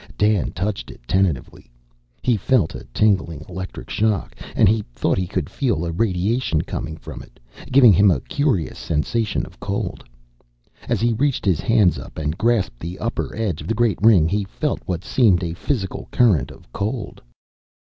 Dan touched it tentatively. He felt a tingling electric shock. And he thought he could feel a radiation coming from it, giving him a curious sensation of cold. As he reached his hands up and grasped the upper edge of the great ring, he felt what seemed a physical current of cold.